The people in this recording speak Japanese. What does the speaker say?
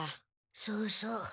そうそう。